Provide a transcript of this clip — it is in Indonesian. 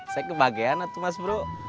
saya kebahagiaan itu mas bro